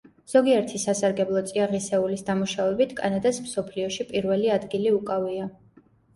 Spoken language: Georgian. ზოგიერთი სასარგებლო წიაღისეულის დამუშავებით კანადას მსოფლიოში პირველი ადგილი უკავია.